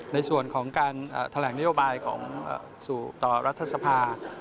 ในส่วนของการแถลงนโยบายของสู่ต่อรัฐสภา